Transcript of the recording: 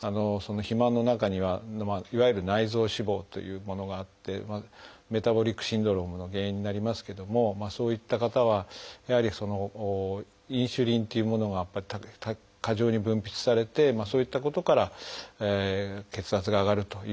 肥満の中にはいわゆる内臓脂肪というものがあってメタボリックシンドロームの原因になりますけどもそういった方はやはりインスリンというものが過剰に分泌されてそういったことから血圧が上がるというようなこともいわれています。